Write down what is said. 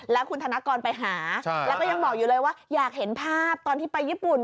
แล้วคุณธนกรไปหาแล้วก็ยังบอกอยู่เลยว่าอยากเห็นภาพตอนที่ไปญี่ปุ่น